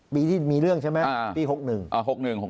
ปีที่มีเรื่องใช่ไหมปี๖๑๖